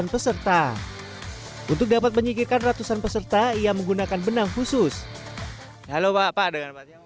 peserta untuk dapat menyikirkan ratusan peserta ia menggunakan benang khusus halo bapak dengan